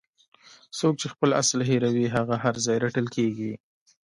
څوک چې خپل اصل هیروي هغه هر ځای رټل کیږي.